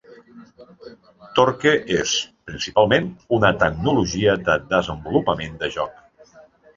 Torque és, principalment, una tecnologia de desenvolupament de joc.